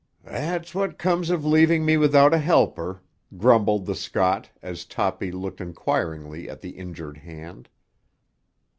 "That's what comes of leaving me without a helper," grumbled the Scot as Toppy looked enquiringly at the injured hand.